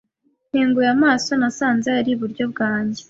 Nkinguye amaso, nasanze ari iburyo bwanjye.